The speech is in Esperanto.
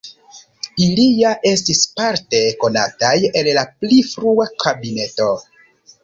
Ili ja estis parte konataj el la pli frua kabineto.